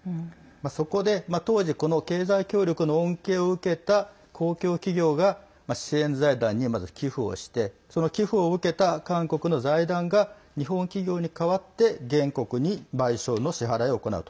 そこで当時、この経済協力の恩恵を受けた公共企業が支援財団に、まず寄付をしてその寄付を受けた韓国の財団が日本企業に代わって原告に賠償の支払いを行うと。